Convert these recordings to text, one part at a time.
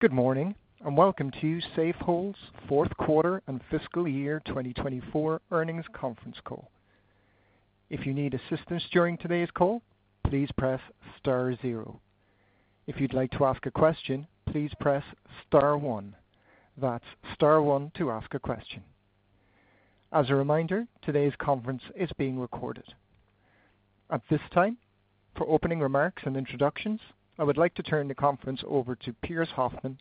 Good morning, and welcome to Safehold's Q4 and fiscal year 2024 earnings conference call. If you need assistance during today's call, please press star zero. If you'd like to ask a question, please press star one. That's star one to ask a question. As a reminder, today's conference is being recorded. At this time, for opening remarks and introductions, I would like to turn the conference over to Pearse Hoffmann,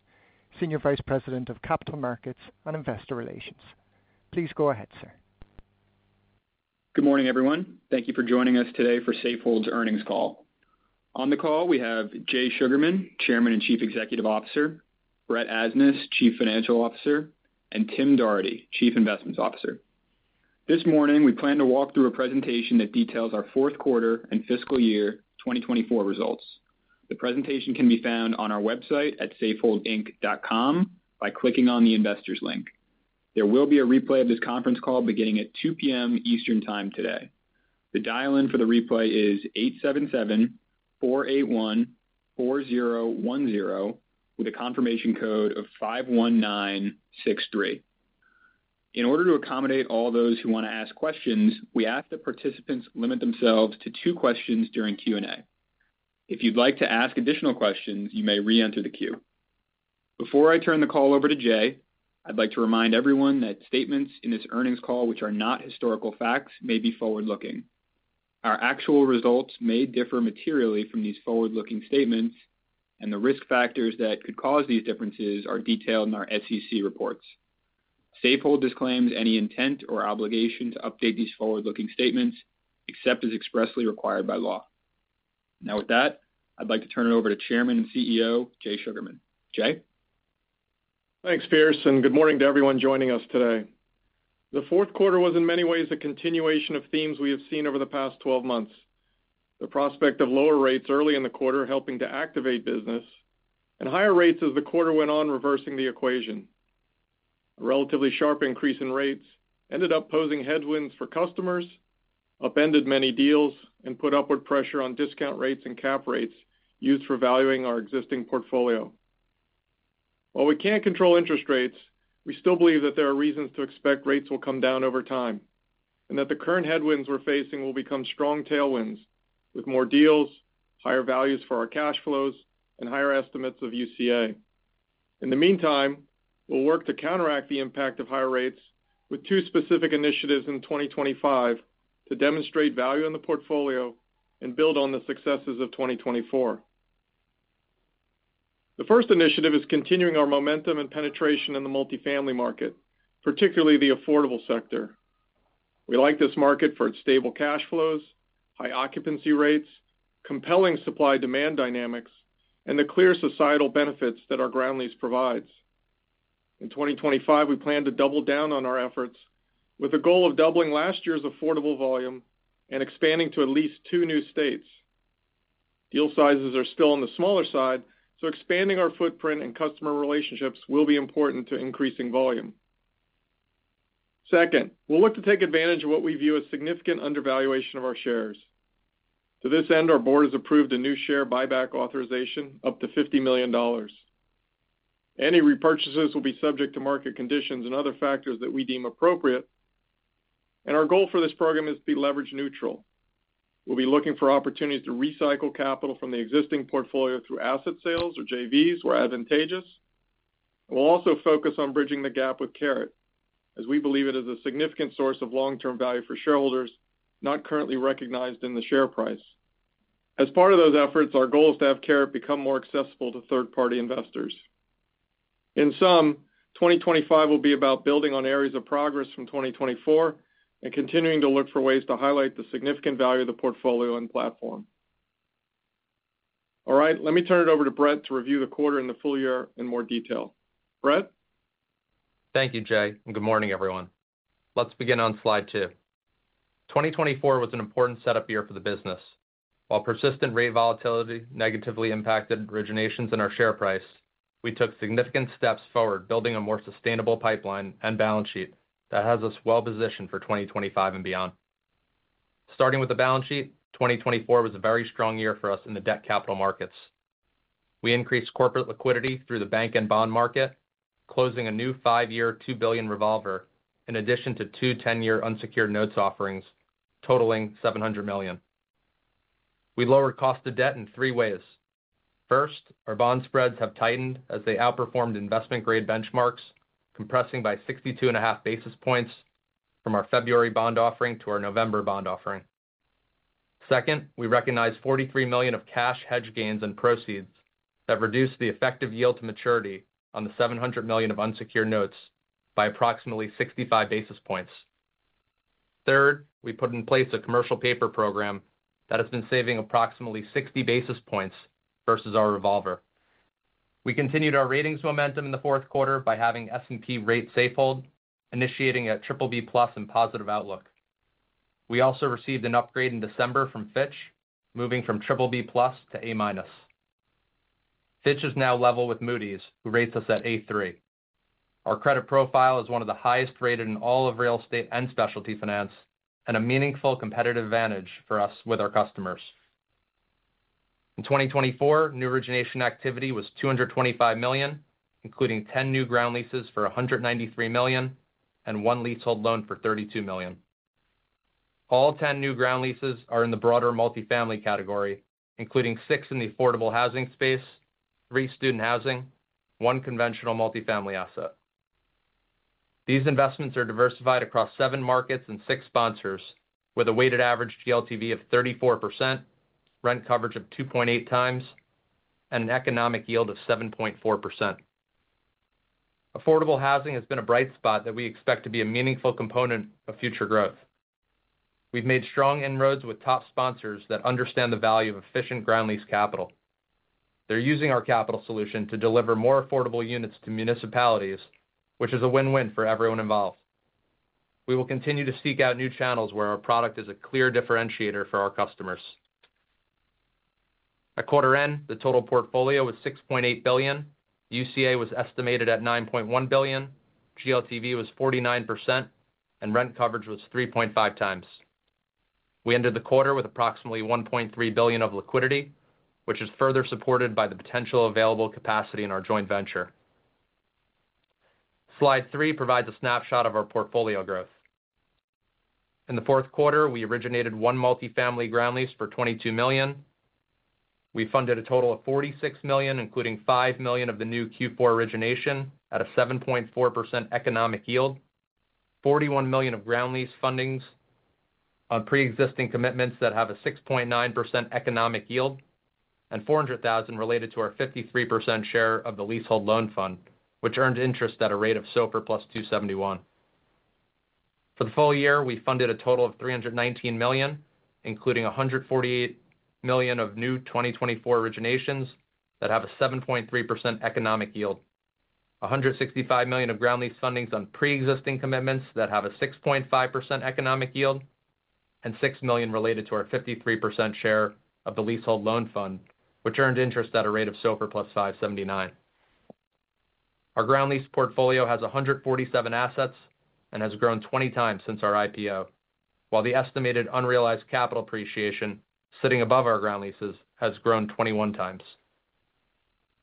Senior Vice President of Capital Markets and Investor Relations. Please go ahead, sir. Good morning, everyone. Thank you for joining us today for Safehold's earnings call. On the call, we have Jay Sugarman, Chairman and Chief Executive Officer, Brett Asnas, Chief Financial Officer, and Tim Doherty, Chief Investment Officer. This morning, we plan to walk through a presentation that details our Q4 and fiscal year 2024 results. The presentation can be found on our website at safeholdinc.com by clicking on the investors' link. There will be a replay of this conference call beginning at 2:00 P.M. Eastern Time today. The dial-in for the replay is 877-481-4010, with a confirmation code of 51963. In order to accommodate all those who want to ask questions, we ask that participants limit themselves to two questions during Q&A. If you'd like to ask additional questions, you may re-enter the queue. Before I turn the call over to Jay, I'd like to remind everyone that statements in this earnings call, which are not historical facts, may be forward-looking. Our actual results may differ materially from these forward-looking statements, and the risk factors that could cause these differences are detailed in our SEC reports. Safehold disclaims any intent or obligation to update these forward-looking statements except as expressly required by law. Now, with that, I'd like to turn it over to Chairman and CEO Jay Sugarman. Jay? Thanks, Pearse, and good morning to everyone joining us today. The Q4 was, in many ways, a continuation of themes we have seen over the past 12 months: the prospect of lower rates early in the quarter helping to activate business, and higher rates as the quarter went on reversing the equation. A relatively sharp increase in rates ended up posing headwinds for customers, upended many deals, and put upward pressure on discount rates and cap rates used for valuing our existing portfolio. While we can't control interest rates, we still believe that there are reasons to expect rates will come down over time and that the current headwinds we're facing will become strong tailwinds, with more deals, higher values for our cash flows, and higher estimates of UCA. In the meantime, we'll work to counteract the impact of higher rates with two specific initiatives in 2025 to demonstrate value in the portfolio and build on the successes of 2024. The first initiative is continuing our momentum and penetration in the multifamily market, particularly the affordable sector. We like this market for its stable cash flows, high occupancy rates, compelling supply-demand dynamics, and the clear societal benefits that our ground lease provides. In 2025, we plan to double down on our efforts, with a goal of doubling last year's affordable volume and expanding to at least two new states. Deal sizes are still on the smaller side, so expanding our footprint and customer relationships will be important to increasing volume. Second, we'll look to take advantage of what we view as significant undervaluation of our shares. To this end, our board has approved a new share buyback authorization up to $50 million. Any repurchases will be subject to market conditions and other factors that we deem appropriate. And our goal for this program is to be leverage neutral. We'll be looking for opportunities to recycle capital from the existing portfolio through asset sales, or JVs, where advantageous. We'll also focus on bridging the gap with CARET, as we believe it is a significant source of long-term value for shareholders, not currently recognized in the share price. As part of those efforts, our goal is to have CARET become more accessible to third-party investors. In sum, 2025 will be about building on areas of progress from 2024 and continuing to look for ways to highlight the significant value of the portfolio and platform. All right, let me turn it over to Brett to review the quarter and the full year in more detail. Brett. Thank you, Jay. And good morning, everyone. Let's begin on slide 2. 2024 was an important setup year for the business. While persistent rate volatility negatively impacted originations and our share price, we took significant steps forward, building a more sustainable pipeline and balance sheet that has us well-positioned for 2025 and beyond. Starting with the balance sheet, 2024 was a very strong year for us in the debt capital markets. We increased corporate liquidity through the bank and bond market, closing a new five-year $2 billion revolver in addition to two 10-year unsecured notes offerings, totaling $700 million. We lowered cost of debt in three ways. First, our bond spreads have tightened as they outperformed investment-grade benchmarks, compressing by 62.5 basis points from our February bond offering to our November bond offering. Second, we recognize $43 million of cash hedge gains and proceeds that reduced the effective yield to maturity on the $700 million of unsecured notes by approximately 65 basis points. Third, we put in place a commercial paper program that has been saving approximately 60 basis points versus our revolver. We continued our ratings momentum in the Q4 by having S&P rate Safehold, initiating at BBB plus in positive outlook. We also received an upgrade in December from Fitch, moving from BBB plus to A minus. Fitch is now level with Moody's, who rates us at A3. Our credit profile is one of the highest rated in all of real estate and specialty finance, and a meaningful competitive advantage for us with our customers. In 2024, new origination activity was $225 million, including 10 new ground leases for $193 million and one leasehold loan for $32 million. All 10 new ground leases are in the broader multifamily category, including six in the affordable housing space, three student housing, and one conventional multifamily asset. These investments are diversified across seven markets and six sponsors, with a weighted average GLTV of 34%, rent coverage of 2.8 times, and an economic yield of 7.4%. Affordable housing has been a bright spot that we expect to be a meaningful component of future growth. We've made strong inroads with top sponsors that understand the value of efficient ground lease capital. They're using our capital solution to deliver more affordable units to municipalities, which is a win-win for everyone involved. We will continue to seek out new channels where our product is a clear differentiator for our customers. At quarter end, the total portfolio was $6.8 billion. UCA was estimated at $9.1 billion. GLTV was 49%, and rent coverage was 3.5 times. We ended the quarter with approximately $1.3 billion of liquidity, which is further supported by the potential available capacity in our joint venture. Slide three provides a snapshot of our portfolio growth. In the Q4, we originated one multifamily ground lease for $22 million. We funded a total of $46 million, including $5 million of the new Q4 origination at a 7.4% economic yield, $41 million of ground lease fundings on pre-existing commitments that have a 6.9% economic yield, and $400,000 related to our 53% share of the Leasehold Loan Fund, which earned interest at a rate of SOFR plus 271. For the full year, we funded a total of $319 million, including $148 million of new 2024 originations that have a 7.3% economic yield, $165 million of ground lease fundings on pre-existing commitments that have a 6.5% economic yield, and $6 million related to our 53% share of the leasehold loan fund, which earned interest at a rate of SOFR plus 579. Our ground lease portfolio has 147 assets and has grown 20 times since our IPO, while the estimated unrealized capital appreciation sitting above our ground leases has grown 21 times.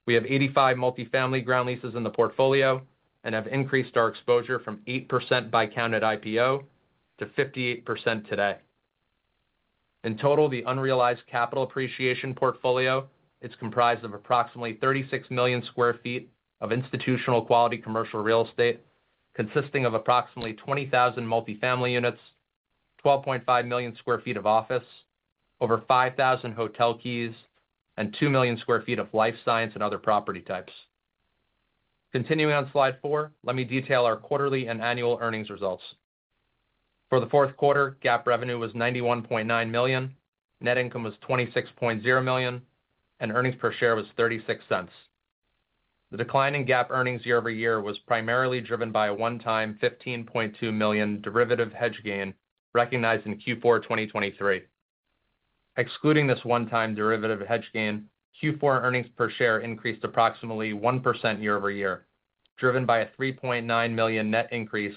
We have 85 multifamily ground leases in the portfolio and have increased our exposure from 8% by count at IPO to 58% today. In total, the unrealized capital appreciation portfolio is comprised of approximately 36 million sq ft of institutional quality commercial real estate, consisting of approximately 20,000 multifamily units, 12.5 million sq ft of office, over 5,000 hotel keys, and 2 million sq ft of life science and other property types. Continuing on slide four, let me detail our quarterly and annual earnings results. For the Q4, GAAP revenue was $91.9 million, net income was $26.0 million, and earnings per share was $0.36. The decline in GAAP earnings year over year was primarily driven by a one-time $15.2 million derivative hedge gain recognized in Q4 2023. Excluding this one-time derivative hedge gain, Q4 earnings per share increased approximately 1% year over year, driven by a $3.9 million net increase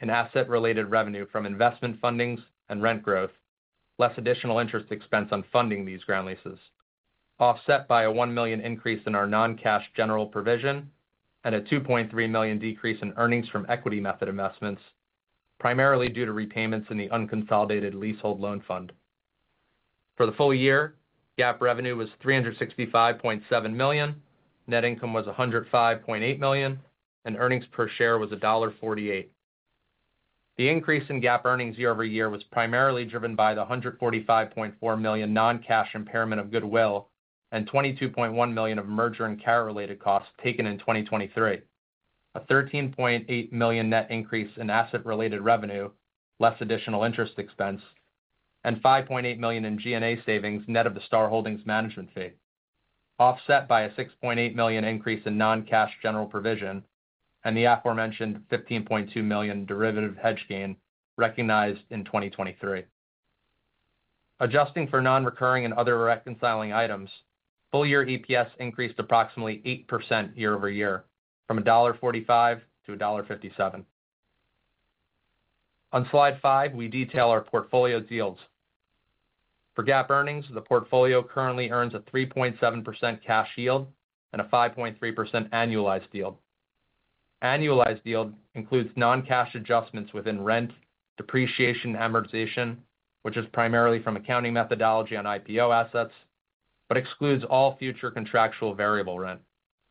in asset-related revenue from investment fundings and rent growth, less additional interest expense on funding these ground leases, offset by a $1 million increase in our non-cash general provision and a $2.3 million decrease in earnings from equity method investments, primarily due to repayments in the unconsolidated leasehold loan fund. For the full year, GAAP revenue was $365.7 million, net income was $105.8 million, and earnings per share was $1.48. The increase in GAAP earnings year over year was primarily driven by the $145.4 million non-cash impairment of goodwill and $22.1 million of merger and CARET-related costs taken in 2023, a $13.8 million net increase in asset-related revenue, less additional interest expense, and $5.8 million in G&A savings net of the Star Holdings management fee, offset by a $6.8 million increase in non-cash general provision and the aforementioned $15.2 million derivative hedge gain recognized in 2023. Adjusting for non-recurring and other reconciling items, full year EPS increased approximately 8% year over year, from $1.45 to $1.57. On slide five, we detail our portfolio's yields. For GAAP earnings, the portfolio currently earns a 3.7% cash yield and a 5.3% annualized yield. Annualized yield includes non-cash adjustments within rent, depreciation, amortization, which is primarily from accounting methodology on IPO assets, but excludes all future contractual variable rent,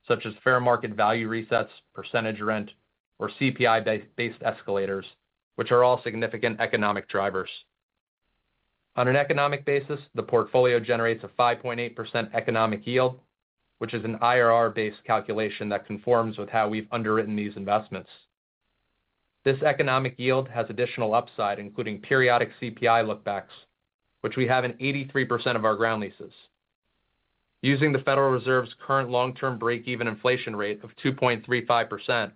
such as fair market value resets, percentage rent, or CPI-based escalators, which are all significant economic drivers. On an economic basis, the portfolio generates a 5.8% economic yield, which is an IRR-based calculation that conforms with how we've underwritten these investments. This economic yield has additional upside, including periodic CPI lookbacks, which we have in 83% of our ground leases. Using the Federal Reserve's current long-term break-even inflation rate of 2.35%,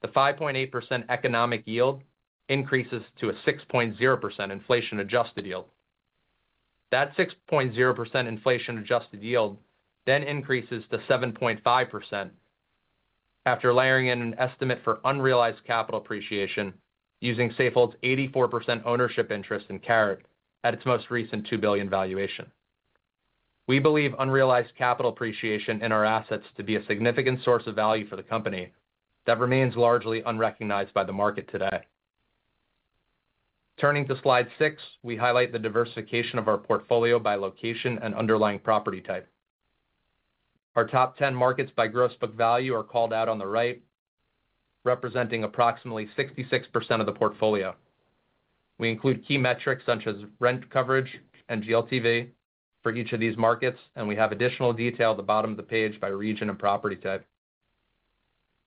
the 5.8% economic yield increases to a 6.0% inflation-adjusted yield. That 6.0% inflation-adjusted yield then increases to 7.5% after layering in an estimate for unrealized capital appreciation using Safehold's 84% ownership interest in CARET at its most recent $2 billion valuation. We believe unrealized capital appreciation in our assets to be a significant source of value for the company that remains largely unrecognized by the market today. Turning to slide 6, we highlight the diversification of our portfolio by location and underlying property type. Our top 10 markets by gross book value are called out on the right, representing approximately 66% of the portfolio. We include key metrics such as rent coverage and GLTV for each of these markets, and we have additional detail at the bottom of the page by region and property type.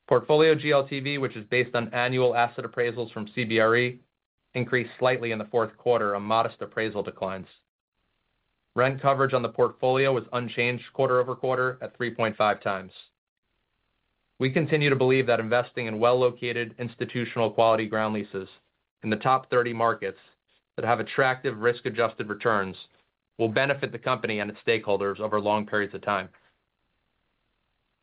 Portfolio GLTV, which is based on annual asset appraisals from CBRE, increased slightly in the Q4 on modest appraisal declines. Rent coverage on the portfolio was unchanged quarter over quarter at 3.5 times. We continue to believe that investing in well-located, institutional quality ground leases in the top 30 markets that have attractive risk-adjusted returns will benefit the company and its stakeholders over long periods of time.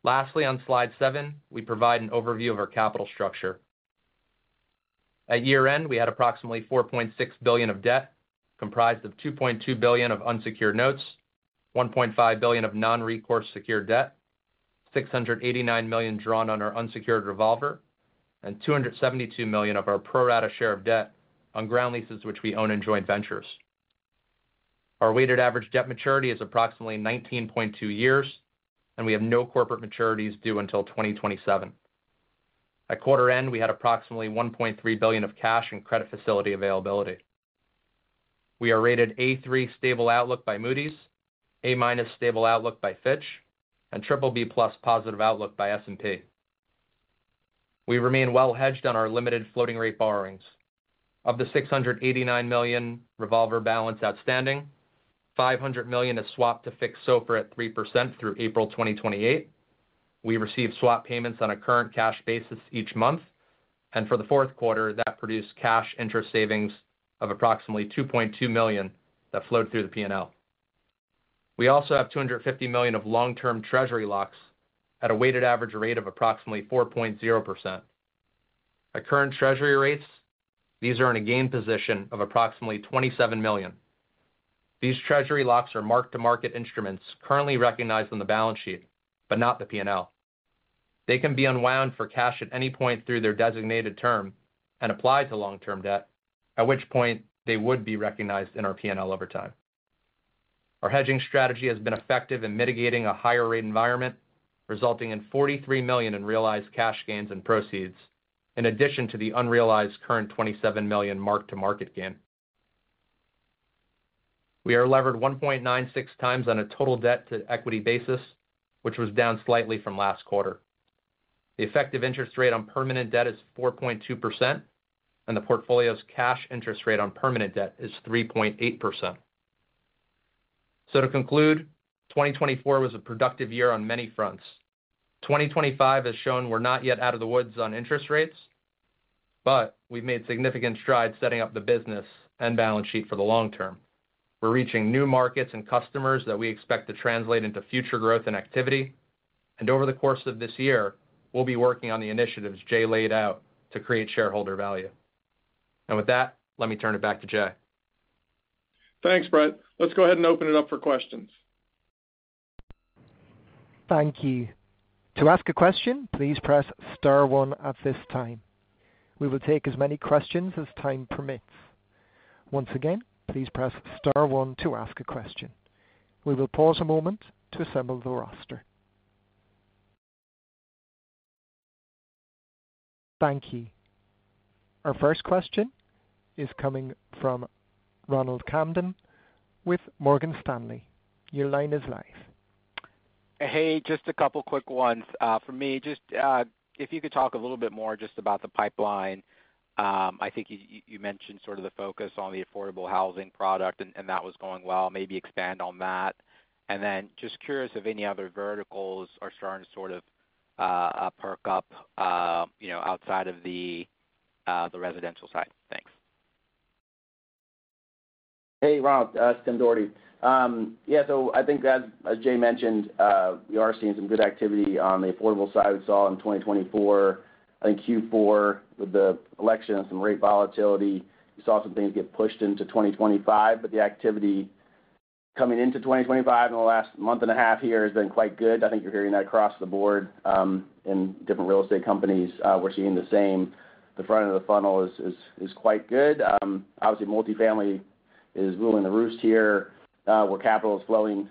Lastly, on slide seven, we provide an overview of our capital structure. At year end, we had approximately $4.6 billion of debt, comprised of $2.2 billion of unsecured notes, $1.5 billion of non-recourse secured debt, $689 million drawn on our unsecured revolver, and $272 million of our pro-rata share of debt on ground leases, which we own in joint ventures. Our weighted average debt maturity is approximately 19.2 years, and we have no corporate maturities due until 2027. At quarter end, we had approximately $1.3 billion of cash and credit facility availability. We are rated A3 stable outlook by Moody's, A minus stable outlook by Fitch, and BBB plus positive outlook by S&P. We remain well-hedged on our limited floating rate borrowings. Of the $689 million revolver balance outstanding, $500 million is swapped to fixed SOFR at 3% through April 2028. We receive swap payments on a current cash basis each month, and for the Q4, that produced cash interest savings of approximately $2.2 million that flowed through the P&L. We also have $250 million of long-term Treasury locks at a weighted average rate of approximately 4.0%. At current Treasury rates, these are in a gain position of approximately $27 million. These Treasury locks are marked-to-market instruments currently recognized on the balance sheet, but not the P&L. They can be unwound for cash at any point through their designated term and apply to long-term debt, at which point they would be recognized in our P&L over time. Our hedging strategy has been effective in mitigating a higher rate environment, resulting in $43 million in realized cash gains and proceeds, in addition to the unrealized current $27 million mark-to-market gain. We are levered 1.96 times on a total debt-to-equity basis, which was down slightly from last quarter. The effective interest rate on permanent debt is 4.2%, and the portfolio's cash interest rate on permanent debt is 3.8%. To conclude, 2024 was a productive year on many fronts. 2025, as shown, we're not yet out of the woods on interest rates, but we've made significant strides setting up the business and balance sheet for the long term. We're reaching new markets and customers that we expect to translate into future growth and activity, and over the course of this year, we'll be working on the initiatives Jay laid out to create shareholder value. With that, let me turn it back to Jay. Thanks, Brett. Let's go ahead and open it up for questions. Thank you. To ask a question, please press star one at this time. We will take as many questions as time permits. Once again, please press star one to ask a question. We will pause a moment to assemble the roster. Thank you. Our first question is coming from Ronald Kamdem with Morgan Stanley. Your line is live. Hey, just a couple quick ones for me. Just if you could talk a little bit more just about the pipeline. I think you mentioned sort of the focus on the affordable housing product, and that was going well. Maybe expand on that. And then just curious if any other verticals are starting to sort of perk up outside of the residential side. Thanks. Hey, Ron, this is Tim Doherty. Yeah, so I think, as Jay mentioned, we are seeing some good activity on the affordable side. We saw in 2024, I think Q4, with the election and some rate volatility, we saw some things get pushed into 2025. But the activity coming into 2025 in the last month and a half here has been quite good. I think you're hearing that across the board in different real estate companies. We're seeing the same. The front end of the funnel is quite good. Obviously, multifamily is ruling the roost here, where capital is flowing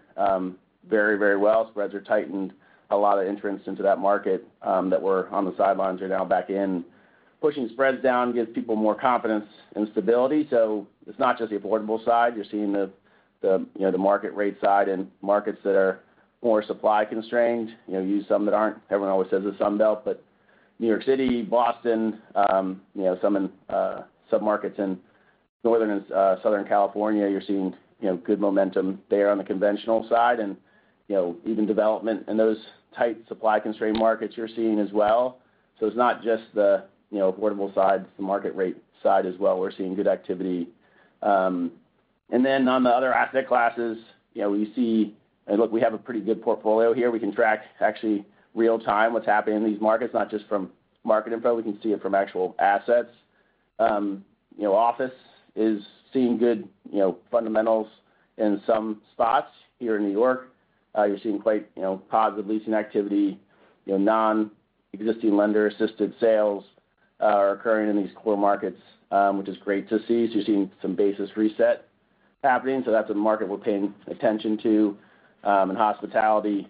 very, very well. Spreads are tightened. A lot of entrants into that market that were on the sidelines are now back in. Pushing spreads down gives people more confidence and stability. So it's not just the affordable side. You're seeing the market rate side in markets that are more supply constrained. You see some that aren't. Everyone always says the Sun Belt, but New York City, Boston, some in sub-markets in Northern and Southern California, you're seeing good momentum there on the conventional side and even development in those tight supply-constrained markets you're seeing as well. So it's not just the affordable side. It's the market rate side as well. We're seeing good activity. And then on the other asset classes, we see, and look, we have a pretty good portfolio here. We can track, actually, real-time what's happening in these markets, not just from market info. We can see it from actual assets. Office is seeing good fundamentals in some spots here in New York. You're seeing quite positive leasing activity. Non-distressed lender-assisted sales are occurring in these core markets, which is great to see. So you're seeing some basis reset happening. So that's a market we're paying attention to. And hospitality,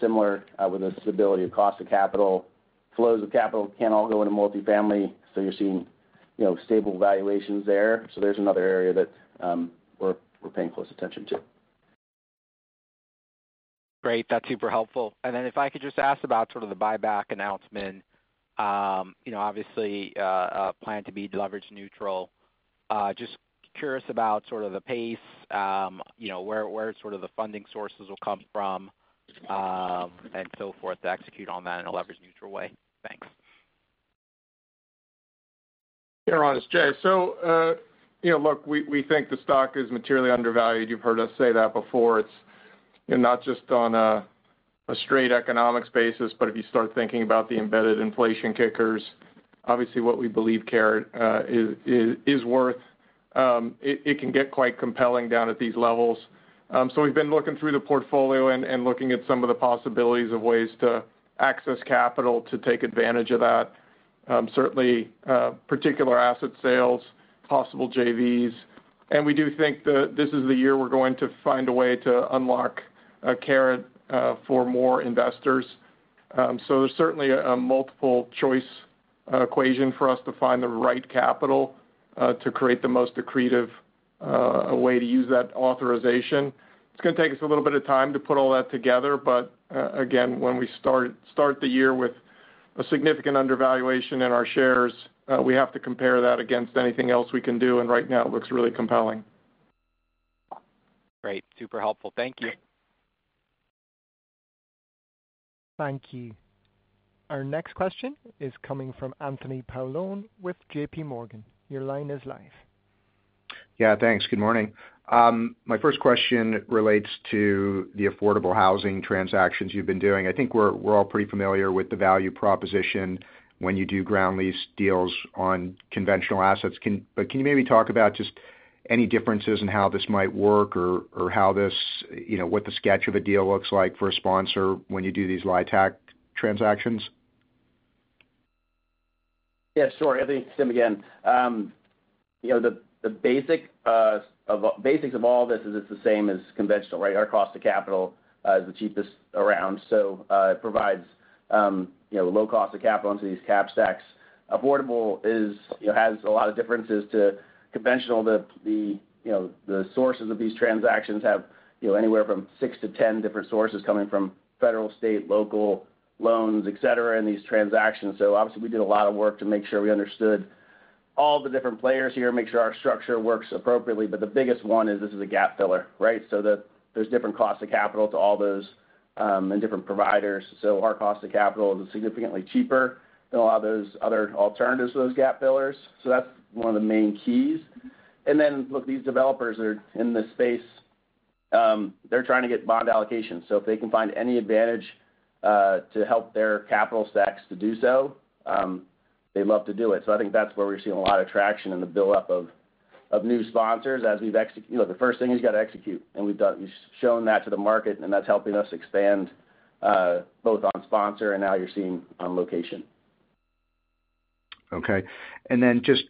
similar with the stability of cost of capital. Flows of capital can't all go into multifamily, so you're seeing stable valuations there. So there's another area that we're paying close attention to. Great. That's super helpful, and then if I could just ask about sort of the buyback announcement, obviously plan to be leverage neutral. Just curious about sort of the pace, where sort of the funding sources will come from, and so forth to execute on that in a leverage neutral way. Thanks. Here is Jay. Look, we think the stock is materially undervalued. You've heard us say that before. It's not just on a straight economics basis, but if you start thinking about the embedded inflation kickers, obviously what we believe CARET is worth, it can get quite compelling down at these levels. We've been looking through the portfolio and looking at some of the possibilities of ways to access capital to take advantage of that. Certainly, particular asset sales, possible JVs, and we do think that this is the year we're going to find a way to unlock CARET for more investors. There's certainly a multiple choice equation for us to find the right capital to create the most accretive way to use that authorization. It's going to take us a little bit of time to put all that together, but again, when we start the year with a significant undervaluation in our shares, we have to compare that against anything else we can do, and right now it looks really compelling. Great. Super helpful. Thank you. Thank you. Our next question is coming from Anthony Paolone with J.P. Morgan. Your line is live. Yeah, thanks. Good morning. My first question relates to the affordable housing transactions you've been doing. I think we're all pretty familiar with the value proposition when you do ground lease deals on conventional assets. But can you maybe talk about just any differences in how this might work or how this, what the sketch of a deal looks like for a sponsor when you do these LIHTC transactions? Yeah, sure. I think, Tim, again, the basics of all this is it's the same as conventional, right? Our cost of capital is the cheapest around. So it provides low cost of capital into these cap stacks. Affordable has a lot of differences to conventional. The sources of these transactions have anywhere from 6 to 10 different sources coming from federal, state, local loans, etc., in these transactions. So obviously, we did a lot of work to make sure we understood all the different players here, make sure our structure works appropriately. But the biggest one is this is a gap filler, right? So there's different costs of capital to all those and different providers. So our cost of capital is significantly cheaper than a lot of those other alternatives to those gap fillers. So that's one of the main keys. And then, look, these developers are in this space. They're trying to get bond allocations. So if they can find any advantage to help their capital stacks to do so, they'd love to do it. So I think that's where we're seeing a lot of traction in the buildup of new sponsors as we've executed. Look, the first thing is you got to execute, and we've shown that to the market, and that's helping us expand both on sponsor and now you're seeing on location. Okay. And then just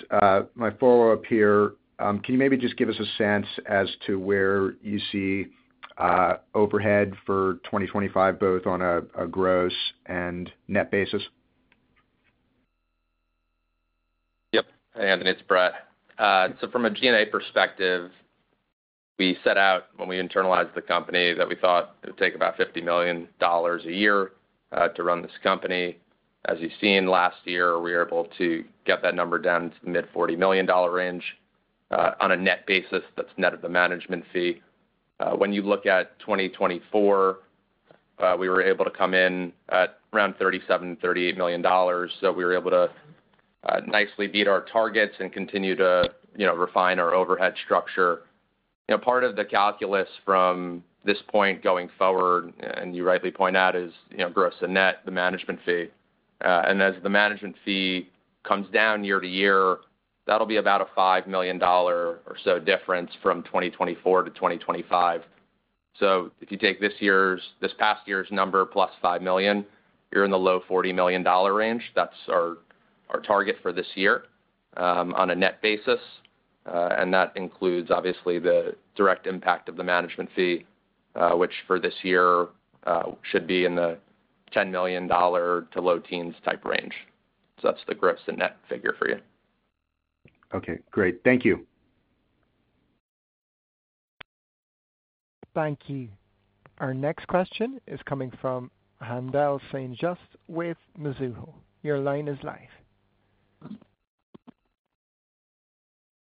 my follow-up here, can you maybe just give us a sense as to where you see overhead for 2025, both on a gross and net basis? Yep. Hey, Anthony. It's Brett. So from a G&A perspective, we set out when we internalized the company that we thought it would take about $50 million a year to run this company. As you've seen last year, we were able to get that number down to the mid-$40 million range on a net basis. That's net of the management fee. When you look at 2024, we were able to come in at around $37, $38 million. So we were able to nicely beat our targets and continue to refine our overhead structure. Part of the calculus from this point going forward, and you rightly point out, is gross and net, the management fee. And as the management fee comes down year to year, that'll be about a $5 million or so difference from 2024 to 2025. So if you take this past year's number plus $5 million, you're in the low $40 million range. That's our target for this year on a net basis. And that includes, obviously, the direct impact of the management fee, which for this year should be in the $10 million to low teens type range. So that's the gross and net figure for you. Okay. Great. Thank you. Thank you. Our next question is coming from Haendel St. Juste with Mizuho. Your line is live.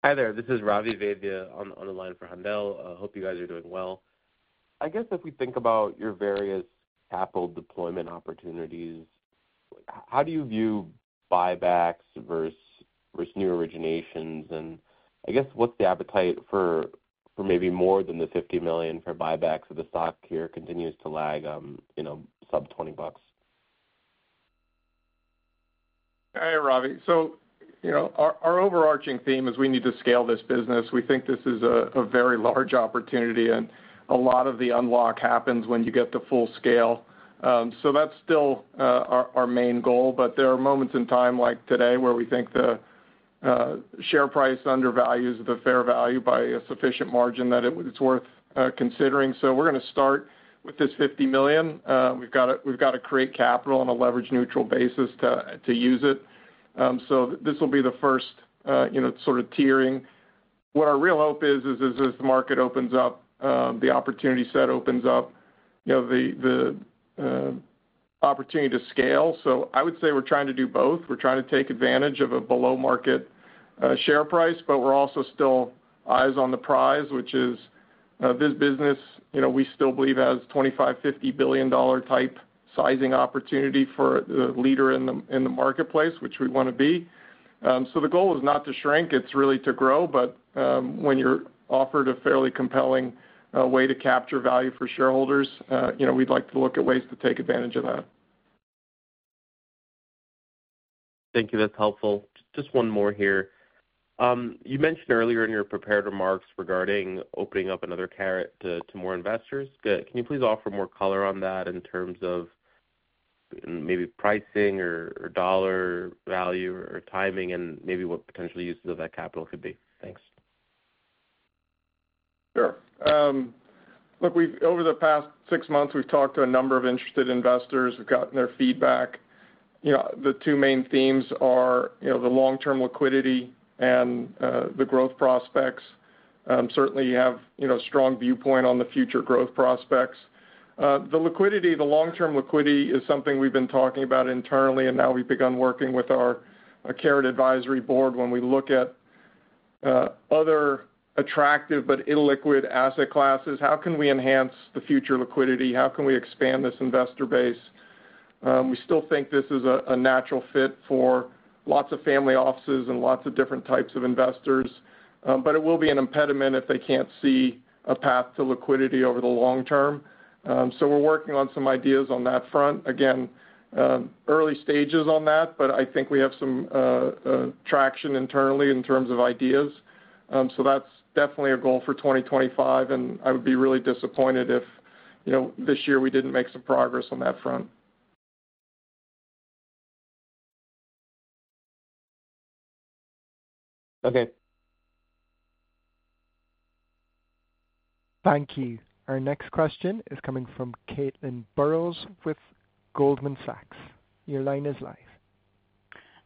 Hi there. This is Ravi Vaidya on the line for Haendel. I hope you guys are doing well. I guess if we think about your various capital deployment opportunities, how do you view buybacks versus new originations? And I guess what's the appetite for maybe more than the $50 million for buybacks if the stock here continues to lag sub-20 bucks? Hey, Ravi. So our overarching theme is we need to scale this business. We think this is a very large opportunity, and a lot of the unlock happens when you get to full scale. So that's still our main goal. But there are moments in time like today where we think the share price undervalues the fair value by a sufficient margin that it's worth considering. So we're going to start with this $50 million. We've got to create capital on a leverage-neutral basis to use it. So this will be the first sort of tiering. What our real hope is, as the market opens up, the opportunity set opens up, the opportunity to scale. So I would say we're trying to do both. We're trying to take advantage of a below-market share price, but we're also still eyes on the prize, which is this business, we still believe, has $25-$50 billion type sizing opportunity for the leader in the marketplace, which we want to be. So the goal is not to shrink. It's really to grow. But when you're offered a fairly compelling way to capture value for shareholders, we'd like to look at ways to take advantage of that. Thank you. That's helpful. Just one more here. You mentioned earlier in your prepared remarks regarding opening up another CARET to more investors. Can you please offer more color on that in terms of maybe pricing or dollar value or timing and maybe what potential uses of that capital could be? Thanks. Sure. Look, over the past six months, we've talked to a number of interested investors. We've gotten their feedback. The two main themes are the long-term liquidity and the growth prospects. Certainly, you have a strong viewpoint on the future growth prospects. The liquidity, the long-term liquidity, is something we've been talking about internally, and now we've begun working with our CARET advisory board when we look at other attractive but illiquid asset classes. How can we enhance the future liquidity? How can we expand this investor base? We still think this is a natural fit for lots of family offices and lots of different types of investors, but it will be an impediment if they can't see a path to liquidity over the long term. So we're working on some ideas on that front. Again, early stages on that, but I think we have some traction internally in terms of ideas, so that's definitely a goal for 2025, and I would be really disappointed if this year we didn't make some progress on that front. Okay. Thank you. Our next question is coming from Caitlin Burrows with Goldman Sachs. Your line is live.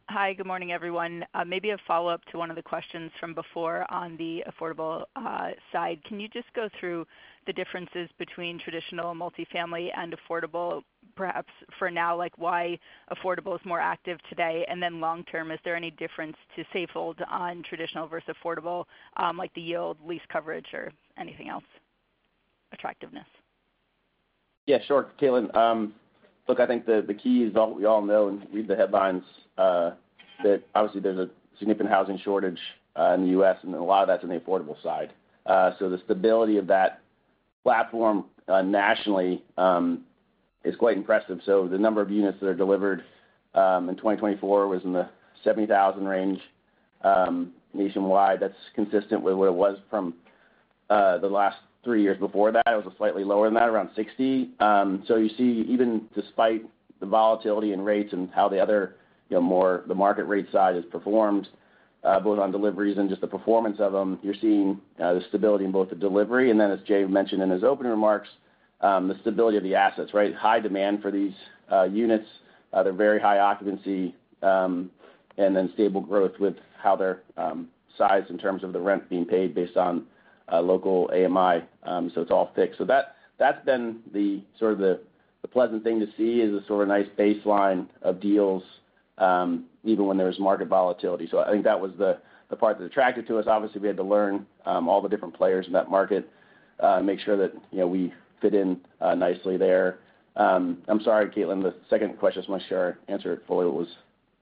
Hi. Good morning, everyone. Maybe a follow-up to one of the questions from before on the affordable side. Can you just go through the differences between traditional multifamily and affordable, perhaps for now, why affordable is more active today? And then long-term, is there any difference to Safehold on traditional versus affordable, like the yield, lease coverage, or anything else, attractiveness? Yeah, sure. Caitlin, look, I think the key is we all know and read the headlines that obviously there's a significant housing shortage in the U.S., and a lot of that's on the affordable side. So the stability of that platform nationally is quite impressive. So the number of units that are delivered in 2024 was in the 70,000 range nationwide. That's consistent with what it was from the last three years before that. It was slightly lower than that, around 60. So you see, even despite the volatility in rates and how the other more the market rate side has performed, both on deliveries and just the performance of them, you're seeing the stability in both the delivery. And then as Jay mentioned in his opening remarks, the stability of the assets, right? High demand for these units. They're very high occupancy and then stable growth with how they're sized in terms of the rent being paid based on local AMI. So it's all fixed. So that's been sort of the pleasant thing to see is a sort of nice baseline of deals even when there was market volatility. So I think that was the part that attracted to us. Obviously, we had to learn all the different players in that market, make sure that we fit in nicely there. I'm sorry, Caitlin. The second question, I just want to make sure I answered it fully. What was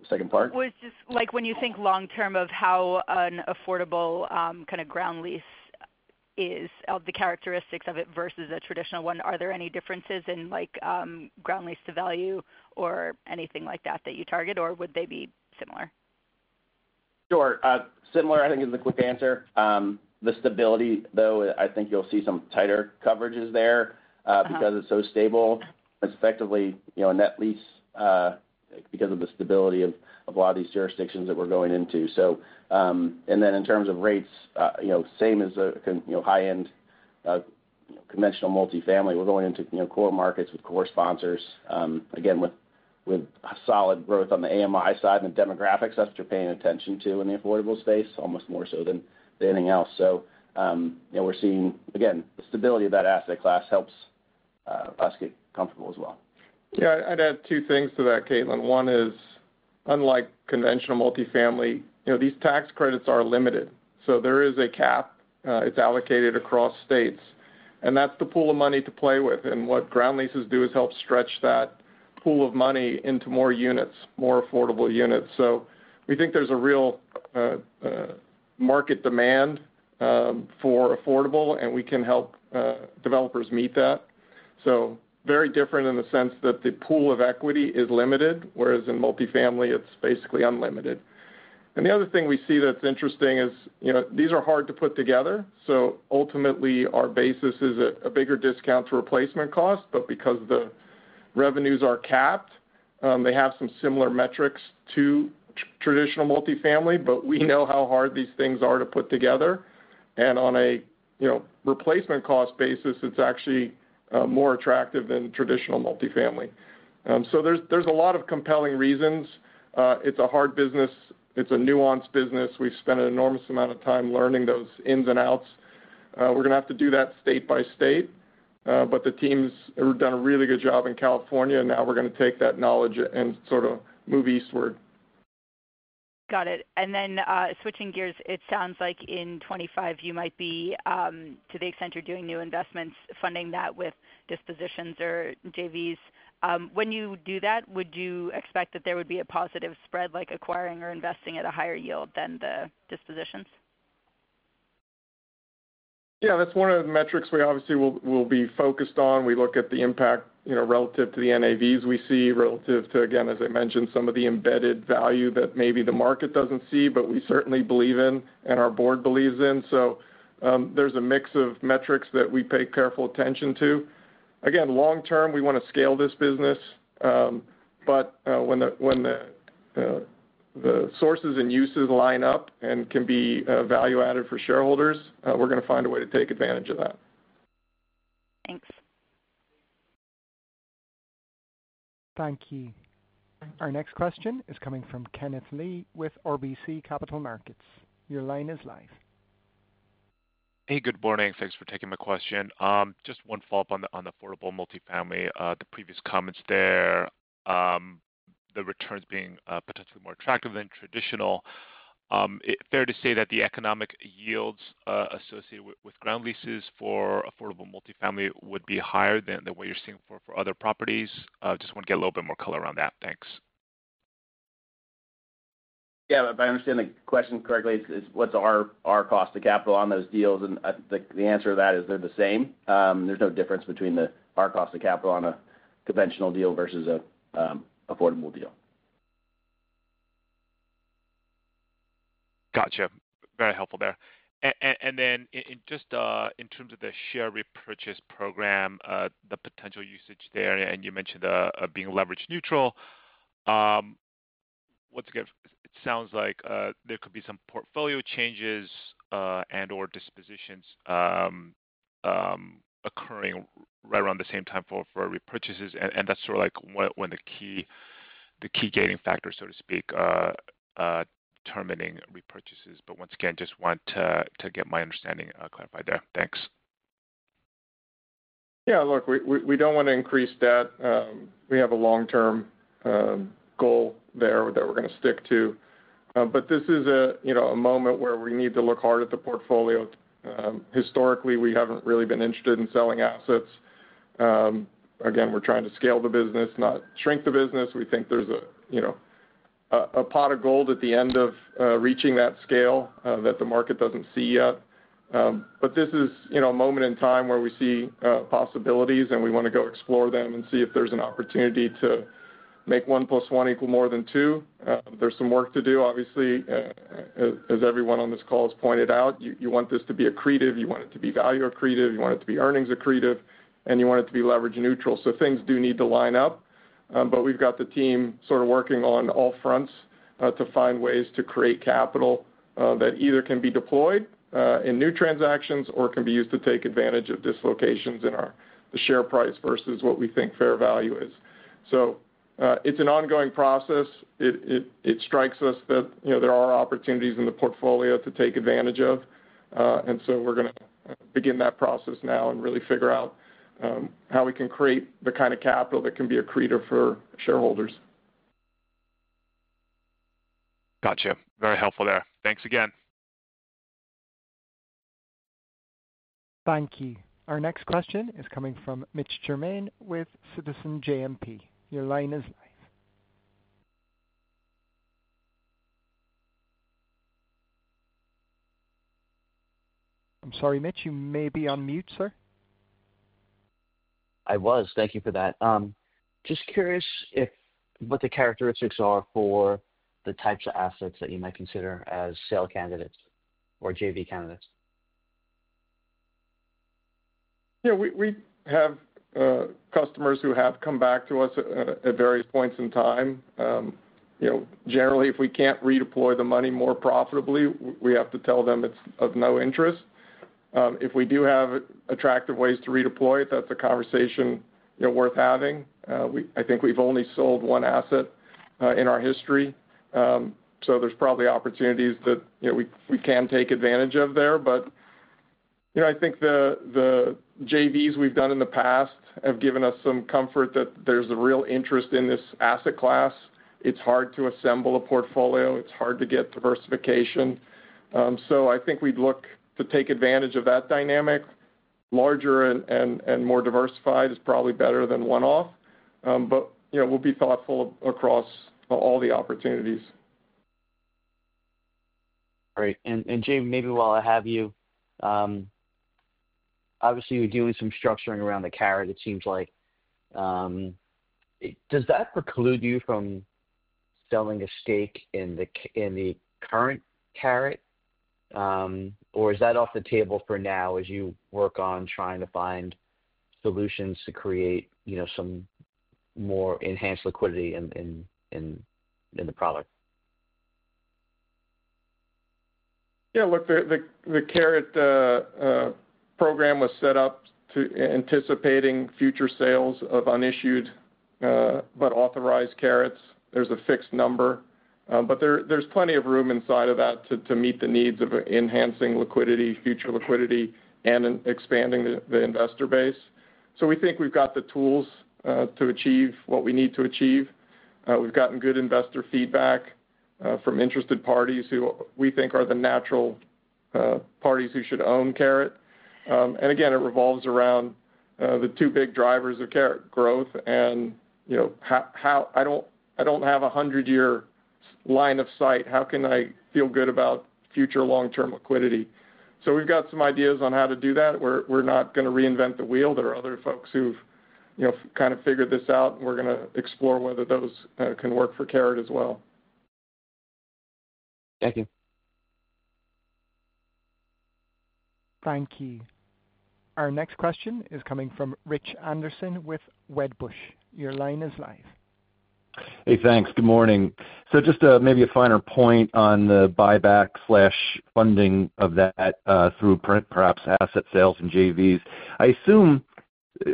the second part? It was just when you think long-term of how an affordable kind of ground lease is, the characteristics of it versus a traditional one, are there any differences in ground lease to value or anything like that that you target, or would they be similar? Sure. Similar, I think, is the quick answer. The stability, though, I think you'll see some tighter coverages there because it's so stable. It's effectively a net lease because of the stability of a lot of these jurisdictions that we're going into. And then in terms of rates, same as high-end conventional multifamily. We're going into core markets with core sponsors, again, with solid growth on the AMI side and the demographics. That's what you're paying attention to in the affordable space, almost more so than anything else. So we're seeing, again, the stability of that asset class helps us get comfortable as well. Yeah. I'd add two things to that, Caitlin. One is, unlike conventional multifamily, these tax credits are limited. So there is a cap. It's allocated across states. And that's the pool of money to play with. And what ground leases do is help stretch that pool of money into more units, more affordable units. So we think there's a real market demand for affordable, and we can help developers meet that. So very different in the sense that the pool of equity is limited, whereas in multifamily, it's basically unlimited. And the other thing we see that's interesting is these are hard to put together. So ultimately, our basis is a bigger discount to replacement cost. But because the revenues are capped, they have some similar metrics to traditional multifamily, but we know how hard these things are to put together. And on a replacement cost basis, it's actually more attractive than traditional multifamily. So there's a lot of compelling reasons. It's a hard business. It's a nuanced business. We've spent an enormous amount of time learning those ins and outs. We're going to have to do that state by state. But the teams have done a really good job in California, and now we're going to take that knowledge and sort of move eastward. Got it and then switching gears, it sounds like in 2025, you might be, to the extent you're doing new investments, funding that with dispositions or JVs. When you do that, would you expect that there would be a positive spread, like acquiring or investing at a higher yield than the dispositions? Yeah. That's one of the metrics we obviously will be focused on. We look at the impact relative to the NAVs we see, relative to, again, as I mentioned, some of the embedded value that maybe the market doesn't see, but we certainly believe in and our board believes in. So there's a mix of metrics that we pay careful attention to. Again, long-term, we want to scale this business. But when the sources and uses line up and can be value-added for shareholders, we're going to find a way to take advantage of that. Thanks. Thank you. Our next question is coming from Kenneth Lee with RBC Capital Markets. Your line is live. Hey, good morning. Thanks for taking my question. Just one follow-up on the affordable multifamily, the previous comments there, the returns being potentially more attractive than traditional. Fair to say that the economic yields associated with ground leases for affordable multifamily would be higher than what you're seeing for other properties. Just want to get a little bit more color around that. Thanks. Yeah. If I understand the question correctly, it's what's our cost of capital on those deals? And the answer to that is they're the same. There's no difference between our cost of capital on a conventional deal versus an affordable deal. Gotcha. Very helpful there. And then just in terms of the share repurchase program, the potential usage there, and you mentioned being leverage neutral. Once again, it sounds like there could be some portfolio changes and/or dispositions occurring right around the same time for repurchases. And that's sort of like when the key gating factor, so to speak, terminating repurchases. But once again, just want to get my understanding clarified there. Thanks. Yeah. Look, we don't want to increase that. We have a long-term goal there that we're going to stick to. But this is a moment where we need to look hard at the portfolio. Historically, we haven't really been interested in selling assets. Again, we're trying to scale the business, not shrink the business. We think there's a pot of gold at the end of reaching that scale that the market doesn't see yet. But this is a moment in time where we see possibilities, and we want to go explore them and see if there's an opportunity to make 1 plus 1 equal more than 2. There's some work to do, obviously, as everyone on this call has pointed out. You want this to be accretive. You want it to be value accretive. You want it to be earnings accretive, and you want it to be leverage neutral. So things do need to line up. But we've got the team sort of working on all fronts to find ways to create capital that either can be deployed in new transactions or can be used to take advantage of dislocations in the share price versus what we think fair value is. So it's an ongoing process. It strikes us that there are opportunities in the portfolio to take advantage of. And so we're going to begin that process now and really figure out how we can create the kind of capital that can be accretive for shareholders. Gotcha. Very helpful there. Thanks again. Thank you. Our next question is coming from Mitch Germain with Citizens JMP. Your line is live. I'm sorry, Mitch, you may be on mute, sir. I was. Thank you for that. Just curious what the characteristics are for the types of assets that you might consider as sale candidates or JV candidates? Yeah. We have customers who have come back to us at various points in time. Generally, if we can't redeploy the money more profitably, we have to tell them it's of no interest. If we do have attractive ways to redeploy it, that's a conversation worth having. I think we've only sold one asset in our history. So there's probably opportunities that we can take advantage of there. But I think the JVs we've done in the past have given us some comfort that there's a real interest in this asset class. It's hard to assemble a portfolio. It's hard to get diversification. So I think we'd look to take advantage of that dynamic. Larger and more diversified is probably better than one-off. But we'll be thoughtful across all the opportunities. All right. And Jay, maybe while I have you, obviously, you're doing some structuring around the CARET, it seems like. Does that preclude you from selling a stake in the current CARET, or is that off the table for now as you work on trying to find solutions to create some more enhanced liquidity in the product? Yeah. Look, the CARET program was set up anticipating future sales of unissued but authorized CARETs. There's a fixed number. But there's plenty of room inside of that to meet the needs of enhancing liquidity, future liquidity, and expanding the investor base. So we think we've got the tools to achieve what we need to achieve. We've gotten good investor feedback from interested parties who we think are the natural parties who should own CARET. And again, it revolves around the two big drivers of CARET growth. And I don't have a 100-year line of sight. How can I feel good about future long-term liquidity? So we've got some ideas on how to do that. We're not going to reinvent the wheel. There are other folks who've kind of figured this out. We're going to explore whether those can work for CARET as well. Thank you. Thank you. Our next question is coming from Rich Anderson with Wedbush. Your line is live. Hey, thanks. Good morning. So just maybe a finer point on the buyback/funding of that through perhaps asset sales and JVs. I assume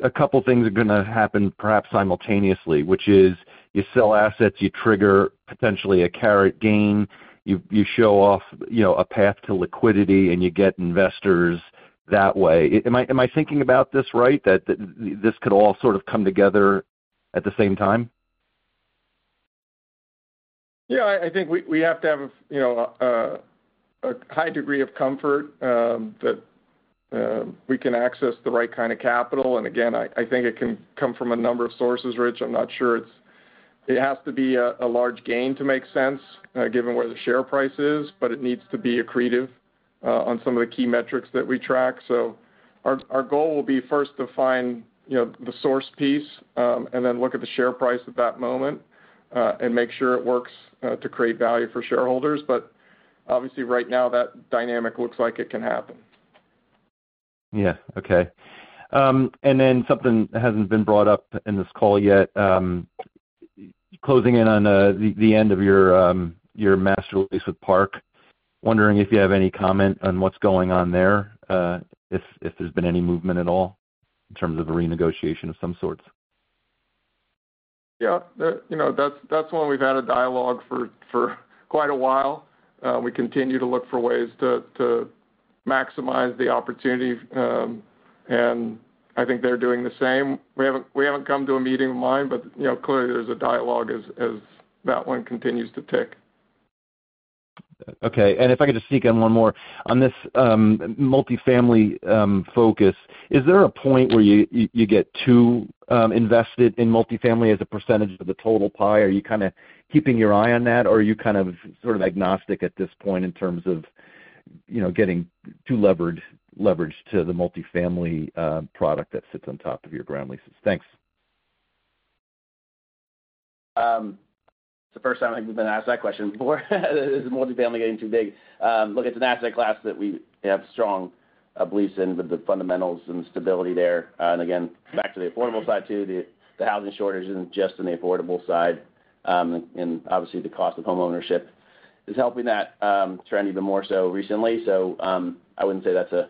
a couple of things are going to happen perhaps simultaneously, which is you sell assets, you trigger potentially a CARET gain, you show off a path to liquidity, and you get investors that way. Am I thinking about this right, that this could all sort of come together at the same time? Yeah. I think we have to have a high degree of comfort that we can access the right kind of capital. And again, I think it can come from a number of sources, Rich. I'm not sure it has to be a large gain to make sense given where the share price is, but it needs to be accretive on some of the key metrics that we track. So our goal will be first to find the source piece and then look at the share price at that moment and make sure it works to create value for shareholders. But obviously, right now, that dynamic looks like it can happen. Yeah. Okay. And then something that hasn't been brought up in this call yet. Closing in on the end of your master lease with Park, wondering if you have any comment on what's going on there, if there's been any movement at all in terms of a renegotiation of some sorts? Yeah. That's one we've had a dialogue for quite a while. We continue to look for ways to maximize the opportunity. And I think they're doing the same. We haven't come to a meeting of the minds, but clearly, there's a dialogue as that one continues to tick. Okay. And if I could just sneak in one more on this multifamily focus, is there a point where you get too invested in multifamily as a percentage of the total pie? Are you kind of keeping your eye on that, or are you kind of sort of agnostic at this point in terms of getting too leveraged to the multifamily product that sits on top of your ground leases? Thanks. It's the first time I think we've been asked that question before. Is multifamily getting too big? Look, it's an asset class that we have strong beliefs in, but the fundamentals and stability there. And again, back to the affordable side too, the housing shortage isn't just on the affordable side. And obviously, the cost of homeownership is helping that trend even more so recently. So I wouldn't say that's a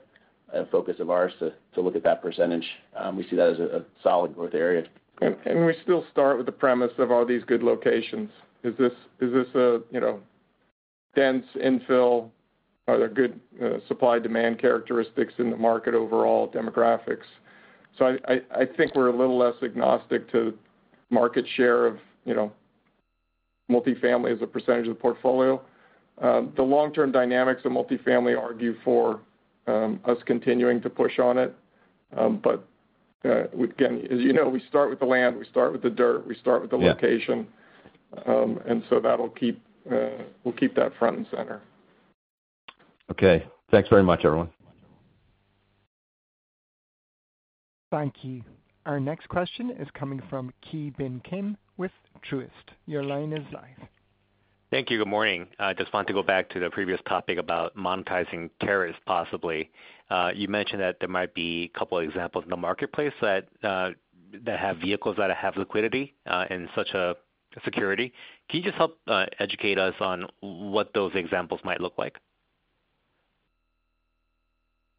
focus of ours to look at that percentage. We see that as a solid growth area. And we still start with the premise of all these good locations. Is this a dense infill? Are there good supply-demand characteristics in the market overall demographics? So I think we're a little less agnostic to market share of multifamily as a percentage of the portfolio. The long-term dynamics of multifamily argue for us continuing to push on it. But again, as you know, we start with the land. We start with the dirt. We start with the location. And so that'll keep that front and center. Okay. Thanks very much, everyone. Thank you. Our next question is coming from Ki Bin Kim with Truist. Your line is live. Thank you. Good morning. Just wanted to go back to the previous topic about monetizing CARET, possibly. You mentioned that there might be a couple of examples in the marketplace that have vehicles that have liquidity and such a security. Can you just help educate us on what those examples might look like?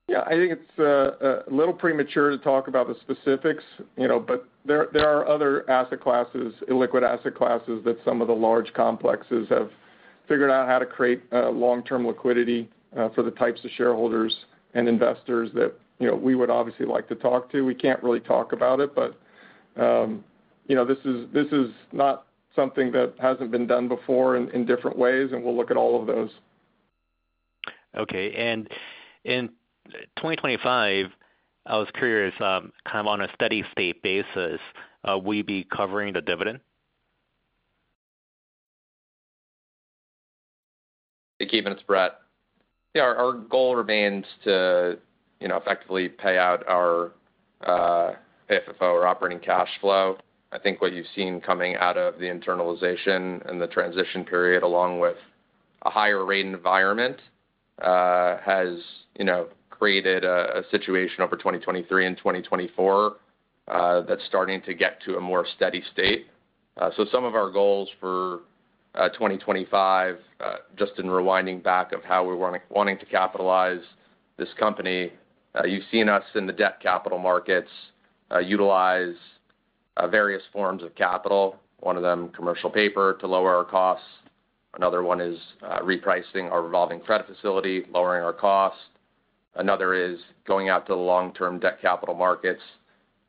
Yeah. I think it's a little premature to talk about the specifics, but there are other asset classes, illiquid asset classes that some of the large complexes have figured out how to create long-term liquidity for the types of shareholders and investors that we would obviously like to talk to. We can't really talk about it, but this is not something that hasn't been done before in different ways, and we'll look at all of those. Okay. And in 2025, I was curious, kind of on a steady-state basis, will you be covering the dividend? Hey, Ki Bin Kim. It's Brett. Yeah. Our goal remains to effectively pay out our FFO or operating cash flow. I think what you've seen coming out of the internalization and the transition period, along with a higher rate environment, has created a situation over 2023 and 2024 that's starting to get to a more steady state. So some of our goals for 2025, just in rewinding back of how we're wanting to capitalize this company, you've seen us in the debt capital markets utilize various forms of capital. One of them, commercial paper to lower our costs. Another one is repricing our revolving credit facility, lowering our cost. Another is going out to the long-term debt capital markets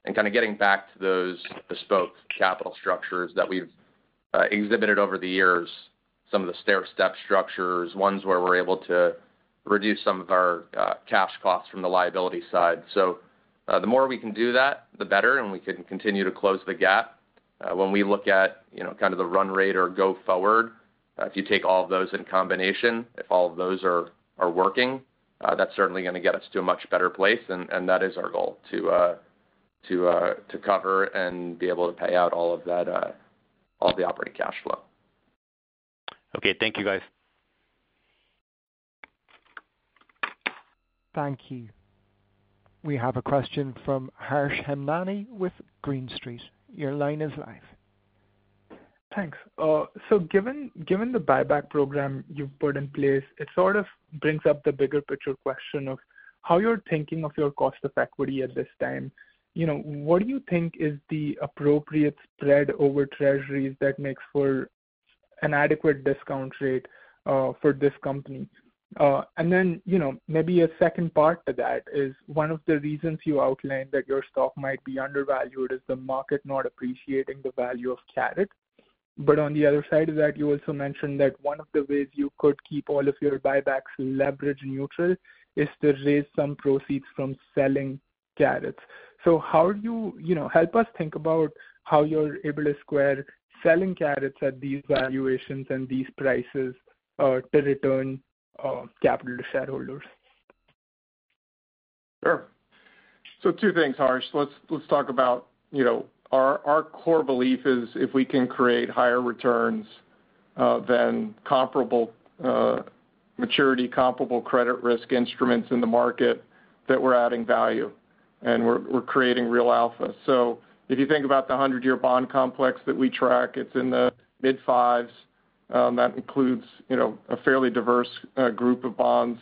and kind of getting back to those bespoke capital structures that we've exhibited over the years, some of the stair-step structures, ones where we're able to reduce some of our cash costs from the liability side. So the more we can do that, the better, and we can continue to close the gap. When we look at kind of the run rate or go forward, if you take all of those in combination, if all of those are working, that's certainly going to get us to a much better place. And that is our goal, to cover and be able to pay out all of the operating cash flow. Okay. Thank you, guys. Thank you. We have a question from Harsh Hemnani with Green Street. Your line is live. Thanks. So given the buyback program you've put in place, it sort of brings up the bigger picture question of how you're thinking of your cost of equity at this time. What do you think is the appropriate spread over Treasuries that makes for an adequate discount rate for this company? And then maybe a second part to that is one of the reasons you outlined that your stock might be undervalued is the market not appreciating the value of CARET. But on the other side of that, you also mentioned that one of the ways you could keep all of your buybacks leverage neutral is to raise some proceeds from selling CARETs. So how do you help us think about how you're able to square selling CARETs at these valuations and these prices to return capital to shareholders? Sure. So two things, Harsh. Let's talk about our core belief is if we can create higher returns than comparable maturity, comparable credit risk instruments in the market that we're adding value, and we're creating real alpha. So if you think about the 100-year bond complex that we track, it's in the mid-fives. That includes a fairly diverse group of bonds.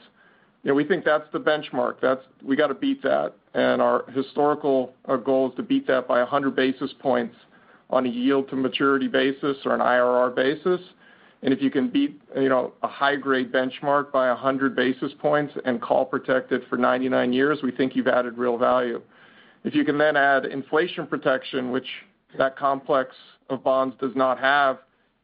We think that's the benchmark. We got to beat that. And our historical goal is to beat that by 100 basis points on a yield-to-maturity basis or an IRR basis. And if you can beat a high-grade benchmark by 100 basis points and call protected for 99 years, we think you've added real value. If you can then add inflation protection, which that complex of bonds does not have,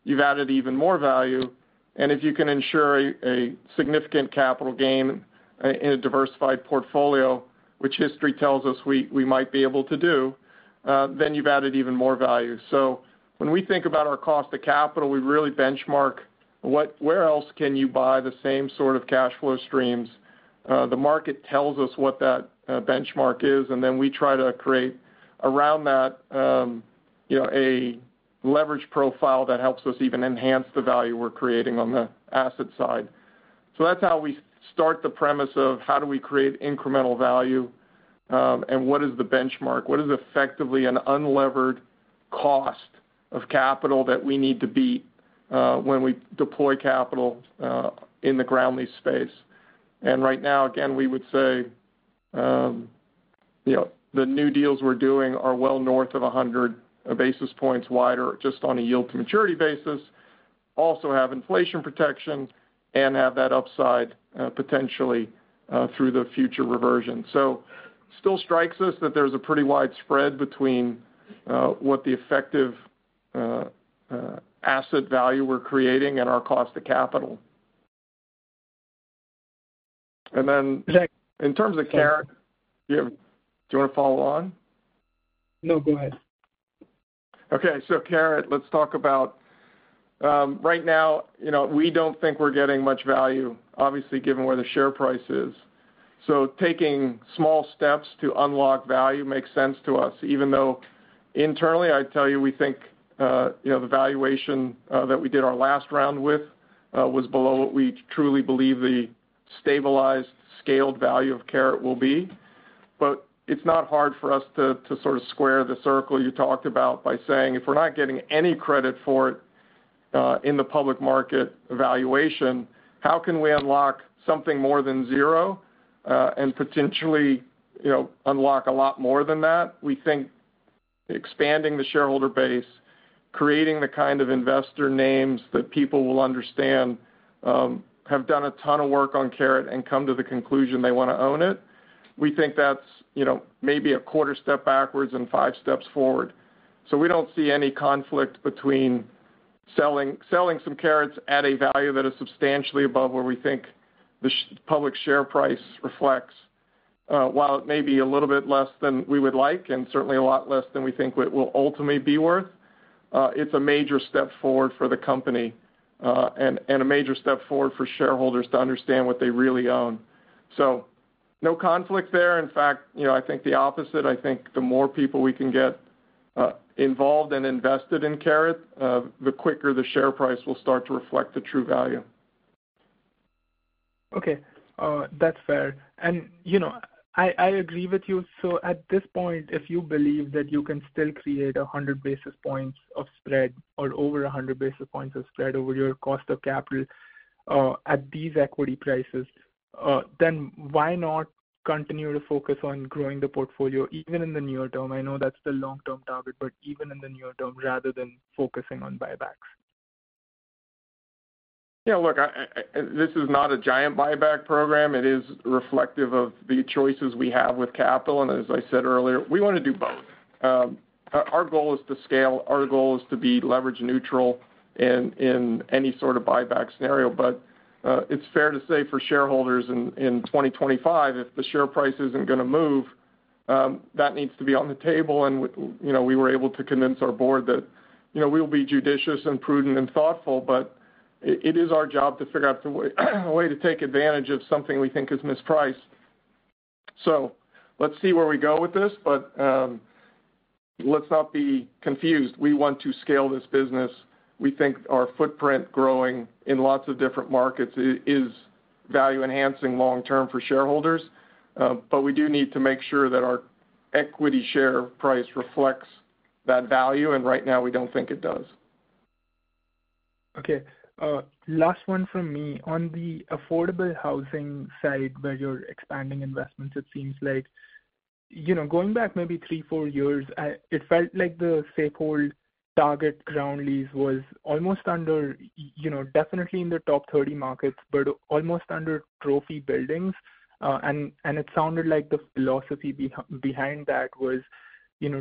you've added even more value. And if you can ensure a significant capital gain in a diversified portfolio, which history tells us we might be able to do, then you've added even more value. So when we think about our cost of capital, we really benchmark where else can you buy the same sort of cash flow streams. The market tells us what that benchmark is, and then we try to create around that a leverage profile that helps us even enhance the value we're creating on the asset side. So that's how we start the premise of how do we create incremental value and what is the benchmark? What is effectively an unlevered cost of capital that we need to beat when we deploy capital in the ground lease space? And right now, again, we would say the new deals we're doing are well north of 100 basis points wider just on a yield-to-maturity basis, also have inflation protection, and have that upside potentially through the future reversion. So it still strikes us that there's a pretty wide spread between what the effective asset value we're creating and our cost of capital. And then in terms of CARET, do you want to follow on? No, go ahead. Okay, so CARET, let's talk about right now, we don't think we're getting much value, obviously, given where the share price is. So taking small steps to unlock value makes sense to us, even though internally, I'd tell you we think the valuation that we did our last round with was below what we truly believe the stabilized, scaled value of CARET will be. But it's not hard for us to sort of square the circle you talked about by saying, "If we're not getting any credit for it in the public market valuation, how can we unlock something more than zero and potentially unlock a lot more than that?" We think expanding the shareholder base, creating the kind of investor names that people will understand, have done a ton of work on CARET, and come to the conclusion they want to own it. We think that's maybe a quarter step backwards and five steps forward. So we don't see any conflict between selling some CARETs at a value that is substantially above where we think the public share price reflects, while it may be a little bit less than we would like and certainly a lot less than we think it will ultimately be worth. It's a major step forward for the company and a major step forward for shareholders to understand what they really own. So no conflict there. In fact, I think the opposite. I think the more people we can get involved and invested in CARET, the quicker the share price will start to reflect the true value. Okay. That's fair. And I agree with you. So at this point, if you believe that you can still create 100 basis points of spread or over 100 basis points of spread over your cost of capital at these equity prices, then why not continue to focus on growing the portfolio even in the near term? I know that's the long-term target, but even in the near term, rather than focusing on buybacks. Yeah. Look, this is not a giant buyback program. It is reflective of the choices we have with capital. And as I said earlier, we want to do both. Our goal is to scale. Our goal is to be leverage neutral in any sort of buyback scenario. But it's fair to say for shareholders in 2025, if the share price isn't going to move, that needs to be on the table. And we were able to convince our board that we will be judicious and prudent and thoughtful, but it is our job to figure out a way to take advantage of something we think is mispriced. So let's see where we go with this, but let's not be confused. We want to scale this business. We think our footprint growing in lots of different markets is value-enhancing long-term for shareholders. But we do need to make sure that our equity share price reflects that value. And right now, we don't think it does. Okay. Last one from me. On the affordable housing side where you're expanding investments, it seems like going back maybe three, four years, it felt like the Safehold target ground lease was almost exclusively in the top 30 markets, but almost exclusively under trophy buildings. And it sounded like the philosophy behind that was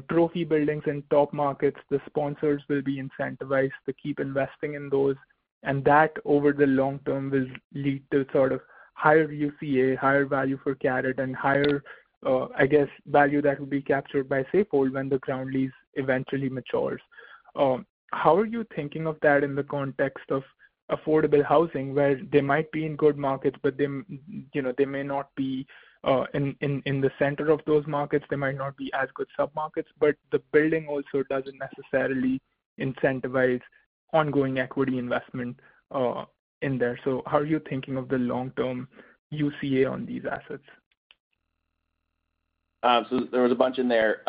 trophy buildings in top markets. The sponsors will be incentivized to keep investing in those. And that, over the long term, will lead to sort of higher UCA, higher value for CARET, and higher, I guess, value that will be captured by Safehold when the ground lease eventually matures. How are you thinking of that in the context of affordable housing where they might be in good markets, but they may not be in the center of those markets? They might not be as good submarkets, but the building also doesn't necessarily incentivize ongoing equity investment in there so how are you thinking of the long-term UCA on these assets? So there was a bunch in there.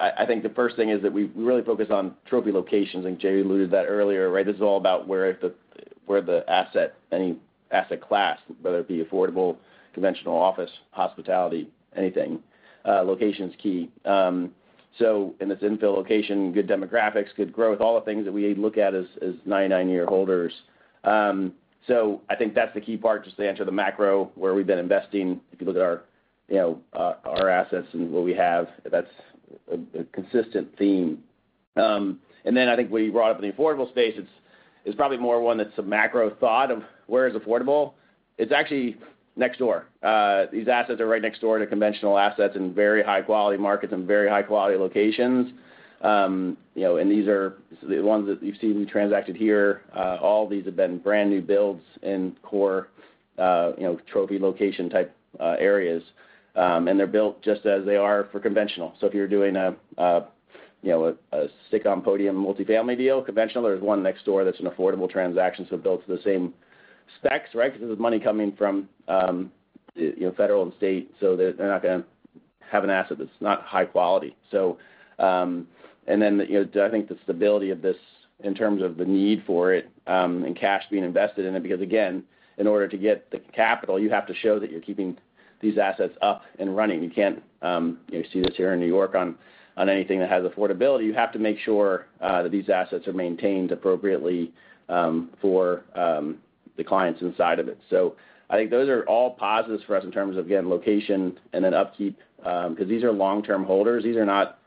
I think the first thing is that we really focus on trophy locations. And Jay alluded to that earlier, right? This is all about where the asset, any asset class, whether it be affordable, conventional, office, hospitality, anything, location is key. So in this infill location, good demographics, good growth, all the things that we look at as 99-year holders. So I think that's the key part, just to answer the macro where we've been investing. If you look at our assets and what we have, that's a consistent theme. And then I think we brought up in the affordable space, it's probably more one that's a macro thought of where is affordable. It's actually next door. These assets are right next door to conventional assets in very high-quality markets and very high-quality locations. These are the ones that you've seen we transacted here. All of these have been brand new builds in core trophy location type areas. They're built just as they are for conventional. If you're doing a stick-on-podium multifamily deal, conventional, there's one next door that's an affordable transaction. Built to the same specs, right? Because this is money coming from federal and state. They're not going to have an asset that's not high quality. Then I think the stability of this in terms of the need for it and cash being invested in it, because again, in order to get the capital, you have to show that you're keeping these assets up and running. You can't see this here in New York on anything that has affordability. You have to make sure that these assets are maintained appropriately for the clients inside of it. So I think those are all positives for us in terms of, again, location and then upkeep, because these are long-term holders. These are not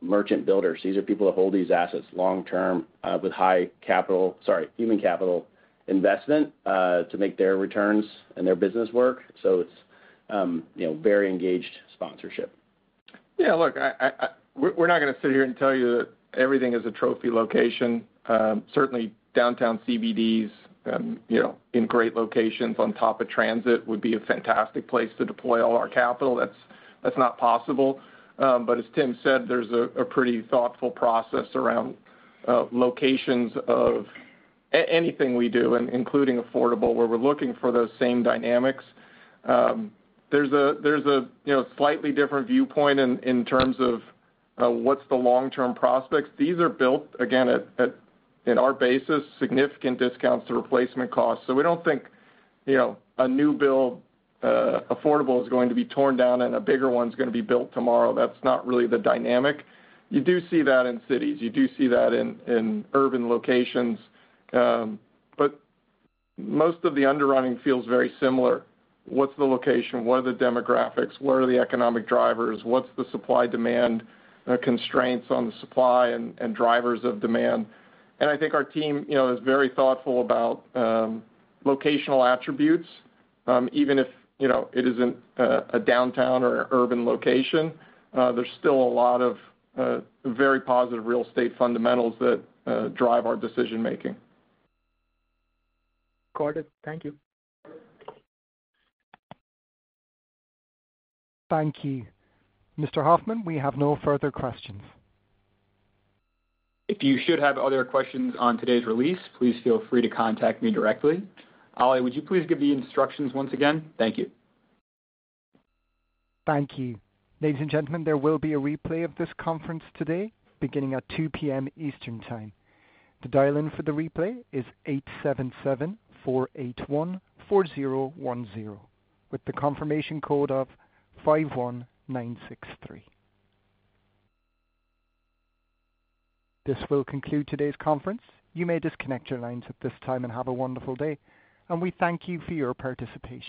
merchant builders. These are people that hold these assets long-term with high capital, sorry, human capital investment to make their returns and their business work. So it's very engaged sponsorship. Yeah. Look, we're not going to sit here and tell you that everything is a trophy location. Certainly, downtown CBDs in great locations on top of transit would be a fantastic place to deploy all our capital. That's not possible. But as Tim said, there's a pretty thoughtful process around locations of anything we do, including affordable, where we're looking for those same dynamics. There's a slightly different viewpoint in terms of what's the long-term prospects. These are built, again, at our basis, significant discounts to replacement costs. So we don't think a new build affordable is going to be torn down and a bigger one's going to be built tomorrow. That's not really the dynamic. You do see that in cities. You do see that in urban locations. But most of the underwriting feels very similar. What's the location? What are the demographics? What are the economic drivers? What's the supply-demand constraints on the supply and drivers of demand? And I think our team is very thoughtful about locational attributes. Even if it isn't a downtown or an urban location, there's still a lot of very positive real estate fundamentals that drive our decision-making. Recorded. Thank you. Thank you. Mr. Hoffmann, we have no further questions. If you should have other questions on today's release, please feel free to contact me directly. Ali, would you please give the instructions once again? Thank you. Thank you. Ladies and gentlemen, there will be a replay of this conference today beginning at 2:00 P.M. Eastern Time. The dial-in for the replay is 877-481-4010 with the confirmation code of 51963. This will conclude today's conference. You may disconnect your lines at this time and have a wonderful day. And we thank you for your participation.